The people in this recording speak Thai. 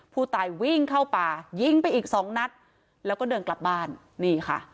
ผู้ตายวิ่งเข้าป่ายิงไปอีกสองนัดแล้วก็เดินกลับบ้านนี่ค่ะ